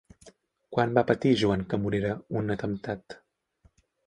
Quan va patir Joan Comorera un atemptat?